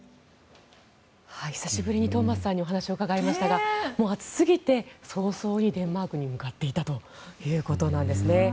久しぶりにトーマスさんにお話を伺いましたがもう暑すぎて早々にデンマークに向かっていたということなんですね。